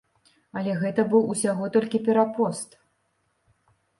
Але гэта быў усяго толькі перапост.